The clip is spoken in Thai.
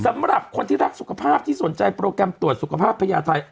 สำหรับคนที่รักสุขภาพที่สนใจโปรแกรมตรวจสุขภาพพญาไทย